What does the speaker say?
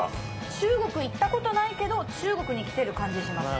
中国行ったコトないけど中国に来てる感じがします。